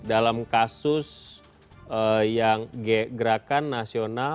dalam kasus yang gerakan nasional